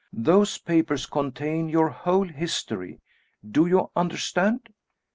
Those papers contain your whole history do you understand?"